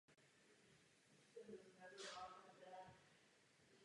Musíme myslet a jednat racionálně, pokud chceme dosáhnout výrazných výsledků.